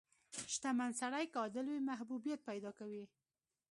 • شتمن سړی که عادل وي، محبوبیت پیدا کوي.